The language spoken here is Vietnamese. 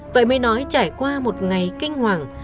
vậy mới nói trải qua một ngày kinh hoàng